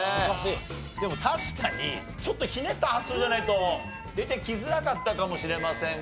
でも確かにちょっとひねった発想じゃないと出てきづらかったかもしれませんが。